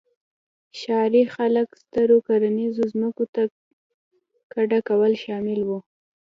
ښاري خلک سترو کرنیزو ځمکو ته کډه کول شامل وو